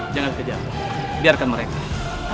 jangan kejar biarkan mereka